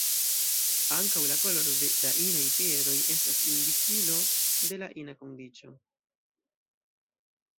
Ankaŭ la koloro de la inaj piedoj estas indikilo de la ina kondiĉo.